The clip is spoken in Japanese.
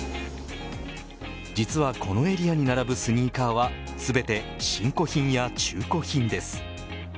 実はこのエリアに並ぶスニーカーは全て新古品や中古品です。